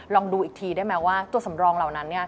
ลองดูอีกทีได้ไหมว่าตัวสำรองเหล่านั้น